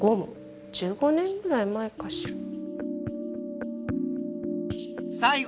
１５年ぐらい前かしら。